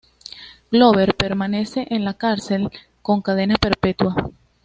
Glover permanece en la cárcel con cadena perpetua.